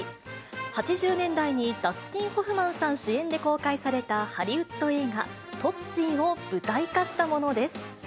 ８０年代にダスティン・ホフマンさん主演で公開されたハリウッド映画、トッツィーを舞台化したものです。